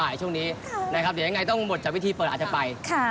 ไม่ไกลมีบริการนะครับรถมีบริการนะครับ